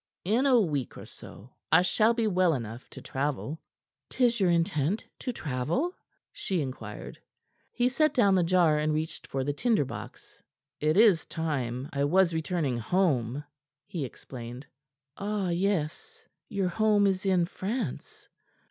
"In a week or so, I shall be well enough to travel." "'Tis your intent to travel?" she inquired. He set down the jar, and reached for the tinderbox. "It is time I was returning home," he explained. "Ah, yes. Your home is in France."